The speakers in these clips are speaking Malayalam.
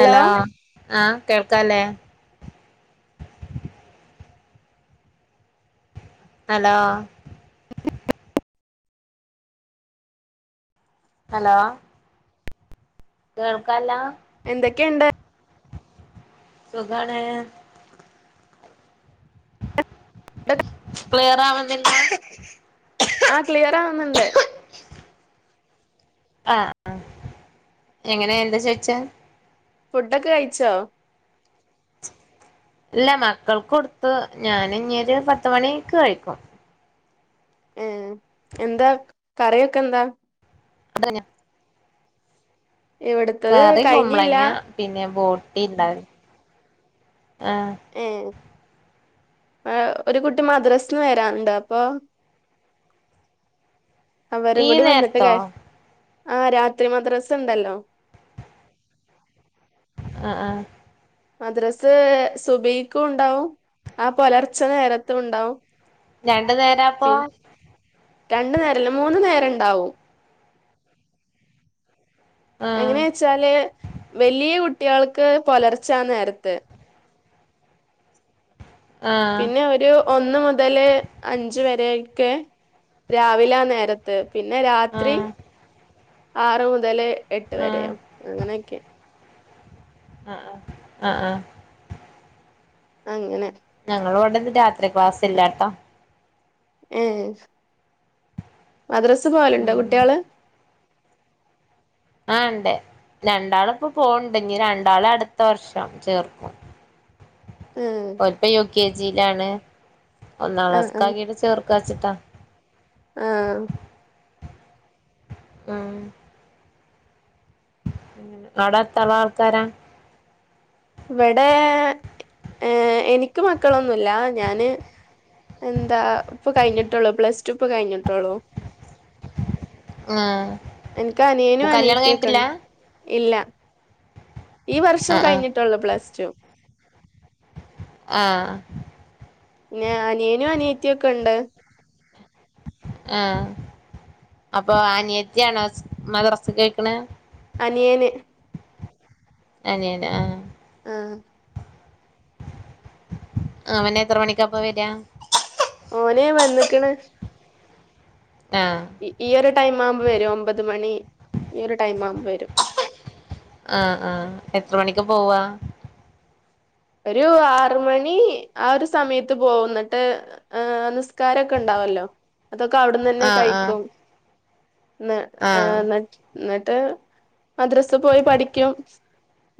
ഹലോ ആഹ് കേൾക്കാല്ലേ ഹലോ ഹലോ കേൾക്കാല്ല എന്തൊക്കെണ്ട് സുഖാണ് [inaudible] ക്രിയറാവുന്നില്ല [inaudible] ആ ക്ലിയർ ആകുന്നുണ്ട്. ആ എങ്ങനെ എന്താ ചോയിച്ചേ? ഫുഡൊക്കെ കഴിച്ചോ? ഇല്ല മക്കൾക്ക് കൊടുത്ത് ഞാൻ ഇഞ്ഞൊരു പത്ത് മണിക്ക് കഴിക്കും. ഏഹ് എന്താ കറിയൊക്കെ എന്താ? [unintelligible] ഇവിടുത്തത് കറി കഴിഞ്ഞില്ല കുമ്പളങ്ങ പിന്നെ ബോട്ടി ഇണ്ടാ ഏഹ് ആ ഒരു കുട്ടി മദ്രസിന്ന് വരാനിണ്ട് അപ്പൊ അവരും ഈ കൂടി വന്നിട്ട ക നേരത്തോ ആഹ് രാത്രി മദ്രസ ഇണ്ടല്ലോ ആ ആ മദ്രസ് സുബയ്ക്കും ഉണ്ടാവും ആ പുലർച്ച നേരത്തും ഉണ്ടാവും. രണ്ട് പി നേരപ്പോ രണ്ടു നേരല്ല മൂന്നു നേരം ഉണ്ടാവും. ആഹ് എങ്ങനെ വെച്ചാല് വലിയ കു ട്ടികൾക്ക് പുലർച്ചാ നേരത്ത്. ആഹ് പിന്നെ ഒരു ഒന്ന് മുതല് അഞ്ച് വരെ ക്കെ രാവിലാ നേരത്ത്. പിന്നെ രാത്രി ആഹ് ആറ് മുതല് എട്ട് ആഹ് വരെയോ അങ്ങനെയൊക്കെ. ആ ആ ആ ആ അങ്ങനെ ഞങ്ങളിവിടൊന്നും രാത്രി ക്ലാസ് ഇല്ലാട്ടോ. ഏഹ് മദ്രസ് പോവലുണ്ടോ ഉം കുട്ടികള്? ആ ഇണ്ട് രണ്ടാള് ഇപ്പൊ പോണണ്ട് ഇനി രണ്ടാളെ അടുത്ത വർഷം ചേർക്കും. ഏ ഓരുപ്പ യു കെ ജിയിലാണ്. ഒന്നാം ആ ക്ലാസ്സ്‌ക്ക് ആക്കീട്ട് ചേർ ക്കാച്ചിട്ടാ. ആഹ് ആഹ് അവിടെത്തള ആൾക്കാരാ? ഇവിടെ ഏ എനിക്ക് മക്കളൊന്നുല്ല ഞാന് എന്താ ഇപ്പ കഴിഞ്ഞിട്ടുള്ളു പ്ലസ് ടു ഇപ്പൊ കഴിഞ്ഞിട്ടോളു. ആഹ് എനക്ക് അനിയനും കല്യാണം അനീത്തിയും ഒക്കെ കഴിഞ്ഞിട്ടില്ല ഉണ്ട്. ഇല്ല ഈ വർഷം ആഹ് ആഹ് കഴിഞ്ഞിട്ട് പ്ലസ് ടു ആ പിന്നെ അനിയനും അനിയത്തിയും ഒക്കെണ്ട് ആഹ് അപ്പൊ അനിയത്തി ആണോ മദ്രസക്കൊയ്ക്ക്‌ണെ. അനിയന് അനിയന് ആഹ് ആഹ് അവന് എത്ര മണിക്കപ്പ വരാ ഓനെ വന്ന്ക്കണ് ആഹ് ഈ ഒരു ടൈം ആവുമ്പോ വരും ഒമ്പത് മണി ഈ ഒരു ടൈം ആവുമ്പോ വരും [inaudible] ആഹ് ആഹ് എത്ര മണിക്ക് പോവാ ഒരു ആറുമണി ആ ഒരു സമയത്ത് പോകുന്നിട്ട് ഏ നിസ് കാരൊക്കെ ഉണ്ടാവല്ലോ അതൊക്കെ അവിടുന്ന് തന്നെ ആഹ് ആഹ് കഴിക്കും. ന്ന് ആഹ് ന്ന്ട്ട് എന്നിട്ട് മദ്രസ് പോയി പഠിക്കും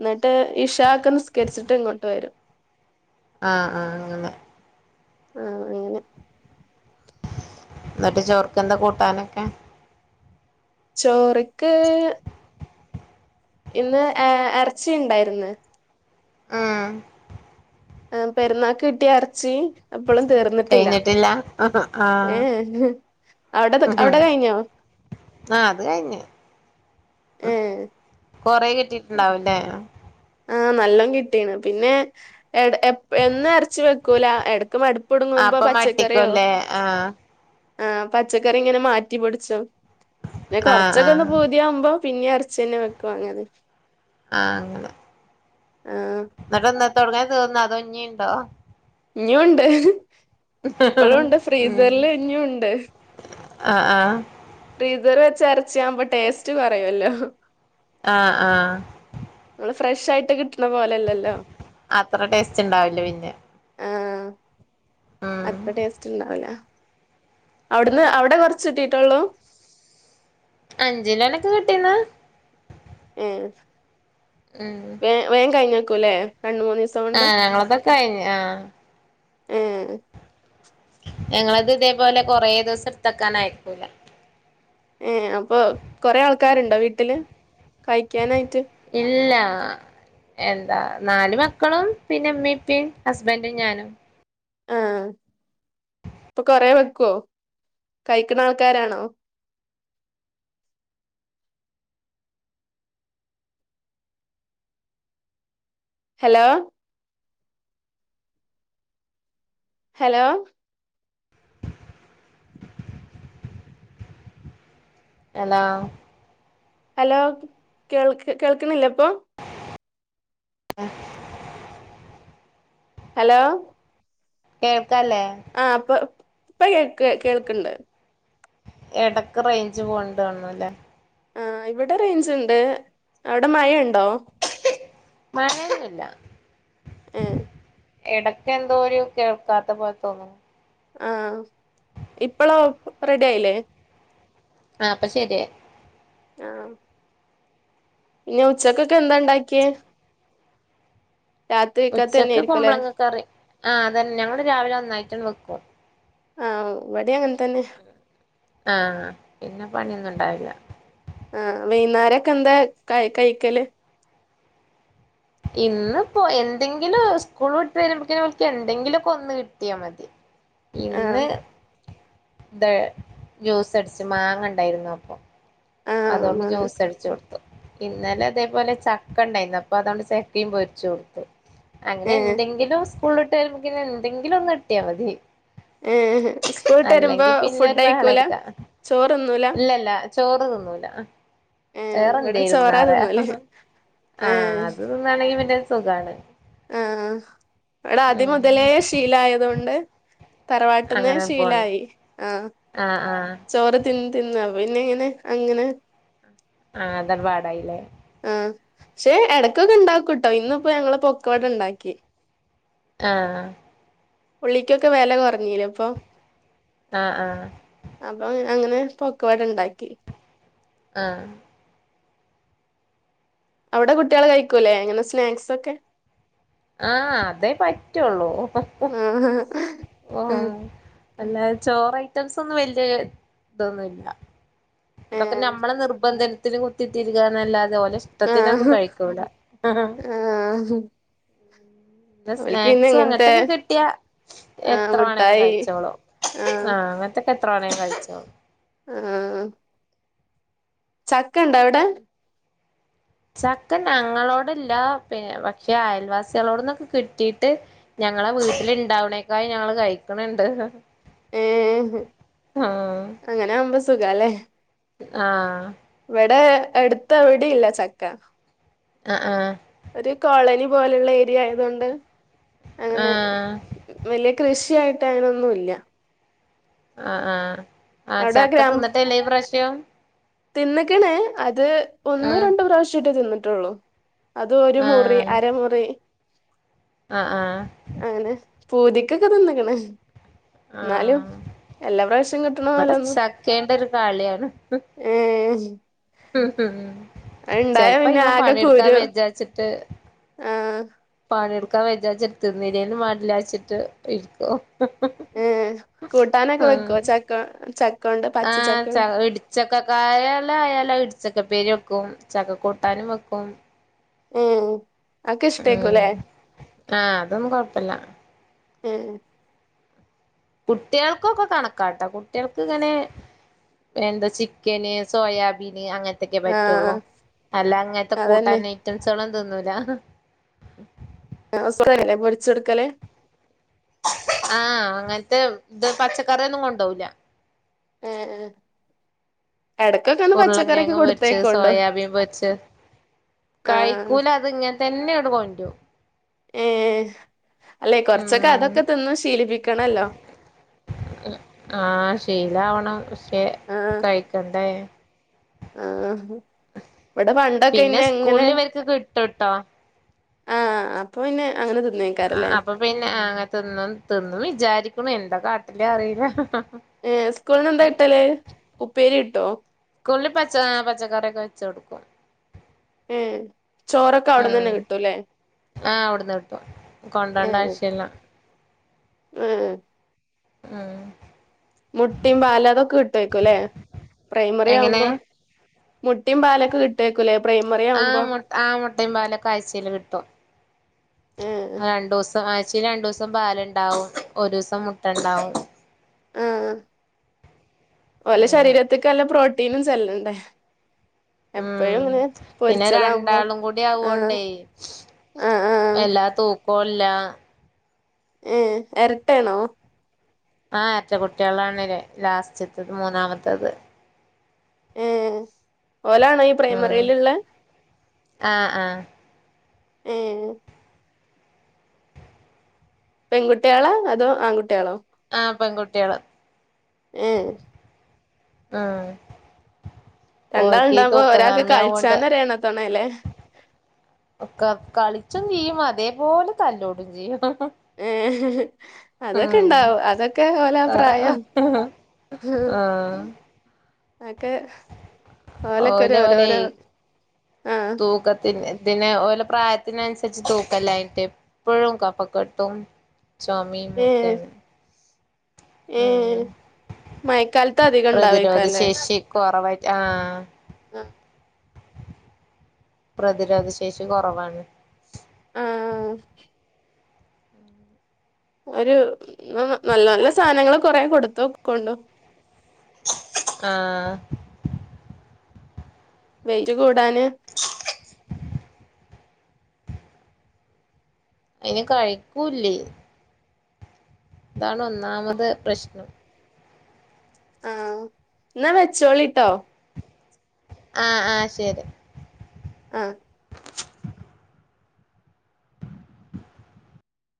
എന്നിട്ട് ഇഷ ഒക്കെ നിസ്കരിച്ചിട്ട് ഇങ്ങോ വരും ആഹ് ആഹ് അങ്ങനെ ആഹ് അങ്ങനെ എന്നിട്ട് ചോർക്ക് എന്താ കൂട്ടാനൊക്കെ ചോറ്ക്ക് ഇന്ന് ഏ എറച്ചിണ്ടാരുന്ന് ആഹ് ആ പെരുന്നാൾക്ക് കിട്ടിയ എറച്ചി അപ്പളും തീർന്നിട്ടില്ല കഴിഞ്ഞിട്ടില്ല ആഹ് ഏ ആഹ് അവിടെ അവിടെ കഴിഞ്ഞോ ആഹ് അത് കഴിഞ്ഞ് ഏഹ് കൊറെ കിട്ടിട്ടുണ്ടാവുല്ലേ. ആഹ് നല്ലണം കിട്ടീണ് പിന്നെ എട എപ്പ എന്നും എറച്ചി വെക്കൂല എട അപ്പോ മട്ടിക്കുല്ലേ ആഹ്. ആ പച്ചക്കറി ഇങ്ങനെ മാറ്റിപിടിച്ചും. പിന്നെ ആഹ് കൊറച്ചൊക്കെ ആഹ് ഒന്ന് പൂതിയാവുമ്പോ. പിന്നെ ഇറച്ചി തന്നെ വെക്കും അങ്ങനെ. ആ അങ്ങനെ ആഹ് തുടങ്ങാൻ തീർന്നോ? അതൊഞ്ഞിയുണ്ടോ? ഇനീയും ഉണ്ട്. ഇപ്പളൂണ്ട് ഫ്രീസറില് ഇനിയുണ്ട്. ആ ആ ഫ്രീസറിൽ വെച്ച എറച്ചിയാവുമ്പോ ടേസ്റ്റ് കൊറയൊല്ലോ. ആഹ്, ആഹ്. ഫ്രഷ് ആയിട്ട് കിട്ട് അത്ര ടേസ്റ്റ് ഇണ്ടാവില്ല പിന്നെ. ആഹ് ഉം അത്ര ടേസ്റ്റ് ഇണ്ടാവുലാ അവിട്ന്ന് അവിടെ കൊറച്ച് കിട്ടീട്ടൊള്ളൂ. അഞ്ചിലോനോക്കെ കിട്ടീന്ന്. ഏഹ് ഉം വേ വേഗംകഴിഞ്ഞോ കുലെ ആഹ് ഞങ്ങളൊക്കെ കഴിഞ്ഞു ആ. ഏ ഹ് ഞങ്ങളത് ഇതേപോലെ കൊറേ ദിവസം ഇട്ത്തക്കാൻഅയക്കൂല. ക്കാരുണ്ടോ വീട്ടില് കഴിക്കാനായി. ഇല്ല. ആ എന്താ നാല് മക്കളും പിന്നെ ഇമ്മിം ഇപ്പീം ഹസ്ബന്റും ഞാനും. ആഹ് ഇപ്പോ കൊറെ വെക്യോ കഴിക്കണ ആൾക്കാരാണോ? ഹലോ ഹലോ അലോ ഹലോ കേൾക്ക് കേൾക്കുന്നില്ലേ ഇപ്പോ. [inaudible] ഹലോ കേൾ ആ അപ്പോ. ഇപ്പ കേൾ ക്ക് കേൾക്ക്ണ്ട്. എടക്ക് റേഞ്ച് പോവ്ണ്ടാണുല്ലേ ആ ഇവിടെ റേഞ്ച് ഇണ്ട് അവിടെ മഴണ്ടോ മഴയില്ല ഏ ഇടക്കെന്തോരു കേൾക്കാത്ത പോലെതോന്നുണു. ആഹ് ഇപ്പളോ ഇപ്പറെഡി ആയില്ലേ ആ ഇപ്പൊ ശര്യായി ആഹ് ന്നെ ഉച്ചക്കൊക്കെ എന്താണ്ടാക്ക്യെ രാത്രികത്തന്നെയായിരിക്കും ല്ലെ ആഹ് അതന്നെ ഞങ്ങൾ രാവിലെ ഒന്നായി റ്റം വെക്കും ആഹ് ഇവടെം അങ്ങൻതന്നെ ആഹ് പിന്നെ പണിയൊന്നും ഇണ്ടാവില്ല ആഹ് വൈന്നേരക്കെന്താ കഴി കഴിക്കല് ഇന്ന്പ്പോ എന്തെങ്കിലും സ്കൂൾ വിട്ട വരുമ്പോക്കിനുവർക്ക് എന്തെങ്കിലൊക്കെ ഒന്ന് കിട്ട്യാമതി ആ ഇന്ന് ഇ ജ്യൂസ് അടിച്ച് മാങ്ങണ്ടായിരുന്നു അപ്പൊ ആ അതുകൊണ്ട് ജ്യൂസ് അടിച്ചു കൊടുത്തു ഇന്നലെ അതേപോലെ ചക്ക ഉണ്ടായിരുന്നു അപ്പൊ അതൊണ്ട് ചക്കയും പൊരിച്ചു കൊടുത്തു അങ്ങനെ ഏ എന്തെങ്കിലും സ്കൂളുവിട്ട് വരുമ്പോക്കെ എന്തെങ്കിലും ഒന്ന് കട്ടിയൽ മതി ഏ സ്കൂളട്ട് വരുമ്പോ അല്ലെങ്കി പിന്നെ ഫുഡ് ഒരു കയിക്കൂല ചോറിന്നൂല്ല ചോറിന്നും [inaudible] ല ഇവിടെ ചോറാ വേറെന്തരുന്നാറ തിന്നല് ആ ഏ അത് [inaudible] സുഖാണ് ആഹ് അവിടെ അതി ഉം മുതലേ ശീലായതൊണ്ട് തറവാട്ടന്നെ അങ്ങനെ പോണ് ശീലായി ആ ആഹ് ആഹ് ചോറ് തിന്ന് തിന്ന് പിന്നെ ഇങ്ങനെ അങ്ങനെ ആഹ് അധർപാടായില്ലേ ആഹ് പക്ഷെ ഇടയ്ക്കൊക്കെ ഉണ്ടാക്കും കേട്ടോ ഇന്നിപ്പോ ഞങ്ങള് [inaudible] കൊട ഉണ്ടാക്കി ആഹ് ഉള്ളിക്കൊക്കെ വില കുറഞ്ഞീലെ ഇപ്പൊ ആഹ് ആഹ് അപ്പൊ അങ്ങനെ പൊക്കോട ഉണ്ടാക്കി ആഹ് അവിടെ കുട്ടികൾ കഴിക്കൂല്ലേ അങ്ങനെ സ്നാക്സ് ഒക്കെ ആഹ് അതേ പറ്റുള്ളൂ ആഹ് ആഹ് അല്ല ചോറഐറ്റംസ് ഒന്നും വല്യ ഇതൊന്നുല്ലാ അതൊക്കെ ഏഹ് നമ്മള നിർബന്ധ ത്തിന് കുത്തിതിരുകാന്നല്ലാതെ അതുപോലെ ഇഷ്ടത്തിനൊന്നും ആഹ് കഴിക്കൂല ആഹ് ഓൽക്ക് പിന്നെ സ്നാക്സും ഇങ്ങനത്തെ അങ്ങനത്തക്കെ കിട്ടിയ ആഹ് എത്ര വേണേലും മുട്ടായി കഴിച്ചോളും ആഹ് [unintelligible] എത്ര വേണേലും കഴിച്ചോളും ആ ചക്ക ഇണ്ടാ അവിടെ ചക്ക ഞങ്ങളോടില്ല പിന്ന പക്ഷെ അയൽവാസികളോടൊന്നും കിട്ടീയിട്ട് ഞങ്ങളെ വീട്ടില് ഇണ്ടാവണേക്കാല് ഞങ്ങള് കഴിക്കണുണ്ട് ഏ അങ്ങനെ ആവു [unintelligible] സുഖല്ലേ ആ ഇവിടെ എടുത്ത എവിടെയില്ല ചക്ക ആ ആഹ് ഒരു കോളനി പോലെയുള്ള ഏരിയ ആയതുകൊണ്ട് അങ്ങനെ ആഹ് വലിയ കൃഷി [unintelligible] യായിട്ട് അങ്ങനൊന്നുമില്ല ആ ആ ആഹ് ചക്കത്തിന്നിട്ടെല്ലേ ഈ പ്രശ്യം തിന്നക്കണ് അത് ഒന്നോ രണ്ടോ പ്രാവശ്യായിട്ട് തിന്നി [unintelligible] അത് ഒരു മുറി അരമുറി ആ ആ പൂതിക്കക്കെ തിന്നക്കണ് എന്നാലും ആഹ് എല്ലാ പ്രാവശ്യം [unintelligible] ഇവിടെ ചക്കേണ്ട ഒരു കളിയാണ് ഏ ഉം ഉം ചെലപ്പോ പിന്നെ ഇവൻ ആകെ പണിടുക്കാൻ കുരു വേചാച്ചിട്ട് ആഹ് പണി എടുക്കാ വെജാരിച് തിന്നില്ലേലും വേണ്ടില്ലാച്ചിട്ട് ഇരിക്കോ ഏഹ് [unintelligible] കൂട്ടാനൊക്കെ വെക്കോ ചക്ക ചക്കോണ്ട് പച്ച ചക്ക ആഹ് ഇടിച്ചക്കക്കായലായ ആയാലിടിച്ചക്ക ഉപ്പേരി വെക്കും ചകക്കൂട്ടാനും വെക്കും ഉം ഉം ആ അതൊന്നും കൊഴപ്പില്ല [unintelligible] കുട്ടികൾക്കൊക്കെ കണക്കാട്ടോ കുട്ടികൾക്ക് ഇങ്ങനെ എന്താ ചിക്കന് സോയാബീന് അങ്ങനത്തെ. ത്തെ ആഹ് പറ്റുള്ളൂ അല്ല അങ്ങനത്തെ അതന്നെ കൂട്ടാൻ ഐറ്റംമ്സുകൾ ഒന്നു തിന്നുല്ലാ. ആ സുഖല്ലേ പൊടിച്ചെടുക്കല്. ആഹ് അങ്ങനത്തെ ഇത് പച്ചക്കറിയൊന്നും കൊണ്ടുപോവൂല. ഏഹ് ഏഹ് ഉരുളം കേഴങ്ങ് പൊരിച്ച് സോയാബീൻ പൊരിച്ച് ആഹ് കഴിക്കൂല അത് ഇങ്ങനെ തന്നെയുണ്ടാ [unintelligible] ഏഹ് അല്ലെ കൊറച്ചൊക്കെ ഉം അതൊക്കെ തിന്നു ശീലിപ്പിക്കണല്ലോ. ആ ക്ക് ആഹ് കഴിക്കണ്ടേ. ആഹ് ഇവിടെ പണ്ടൊക്കെ പിന്നെ ഇന്നെ ഇങ്ങനെ സ്കൂളിൽ ഇവരിക്ക് കിട്ടുട്ടോ. ആഹ് അപ്പൊ പിന്നെ അങ്ങനെ കി ആ അപ്പോ പിന്നെ അങ്ങനെ തിന്നു തിന്നു വിചാരിക്കുണു എന്റെ കാ ഇല്ല അറിയില്ല. ഏഹ് സ്കൂളുന്ന് എന്താ കിട്ടല് ഉപ്പേരി കി ട്ടോ. കൂളിൽ പച്ച പച്ചക്കറിയൊക്കെ വെച്ച് കൊടുക്കും. ഏ ങാ ആഹ് അവിടുന്ന് കിട്ടും കൊണ്ടേണ്ടാശ്യല്ല. മ്മ് ഉം മുട്ടയും പാലും അതൊക്കെ കിട്ടുവായ്ക്കൂല്ലേ. പ്രൈമറി എങ്ങനെ ആവുമ്പം മു മുട്ടയും പാലൊക്കെ കിട്ടുവായ്ക്കുല്ലേ. ആ മു ആ മുട്ടയും പാലൊക്കെ ആഴ്ചയില് കിട്ടും. ഏഹ് രണ്ടോസം ആ ഴ്ചയില് രണ്ടു ദിവസം പാലുണ്ടാവും ഒരു ദിവസം മുട്ട ഉണ്ടാവും. മ്മ് ഓല അങ്ങനെ ശരീരത്തേക്ക് നല്ല പ്രോ തിനും ചെല്ലണ്ടേ. എപ്പഴും ഉം ഇങ്ങനെ പിന്നെ പൊരിച്ചതാവുമ്പോ രണ്ടാളും കൂടി ആഹ് ആവോണ്ടേ ആഹ് ആഹ്. കോല്ലാ. ഏഹ് എരട്ടയാണോ? ആ എരട്ട കുട്ടികളാണിലേ ലാസ്റ്റത്തത് മൂന്നാമത്തത് മ്മ് ഓലാണോ ഈ ഉം പ്രൈമറിയിലുള്ളെ? ആഹ് ആഹ് ഊം പെങ്കുട്ടികളാ അതോ ആങ്കുട്ടികളോ ആ പെങ്കുട്ടികള് ഉം ആ ഓൾക്കേ രണ്ടാള്ണ്ടാവുമ്പോ തൂക്കം ഒരാക്ക് കമ്മിയാവോണ്ട് കളിച്ചാനൊരു എണത്തോണല്ലേ ഒ കളിച്ചും ചെയ്യും അതേ മോല് തല്ലൂടും ചെയ്യും. ഈ ഹി ഹി അതൊക്കെ ഉം ഉണ്ടാവും അതൊക്കെ ഓല ആ പ്രായം ആഹ് ആഹ് ഓക്കെ ഓലോലെയ് ആഹ് തൂക്കത്തില്ലേ അതിനെ ഓലെ പ്രായത്തിനനുസരിച്ച് തൂക്കല്ലായിട്ട് എപ്പഴും കഫക്കെട്ടും ചൊമേം ഒക്കെയാണ് ഏ ഉം മയക്കാലത്ത് അധികം ഉ ണ്ടാവേക്കാല്ലേ യാ അ പ്രതിരോധ ശേഷി കൊറവാണ് ആ ആ ആ ഒരു നല്ല നല്ല സാനങ്ങള് കൊറ കൊടുത്തോ ക്കണ് ആ വെയിറ്റ് കൂടാന് അയിന് കഴിക്കൂല്ലേ അതാണ് ഒന്നാമത് പ്രശ്നം ആ ന്നാ വെച്ചോളിട്ടോ ആ ആ ശരി ആ